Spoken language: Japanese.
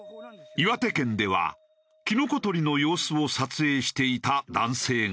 岩手県ではキノコ採りの様子を撮影していた男性が。